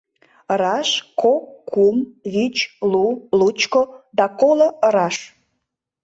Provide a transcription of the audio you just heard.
Ыраш, кок, кум, вич, лу, лучко да коло ыраш.